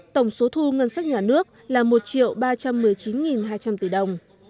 tổng số thu ngân sách nhà nước là một ba trăm một mươi chín hai trăm linh tỷ đồng